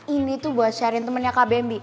ini tuh buat sharein temennya kak bambi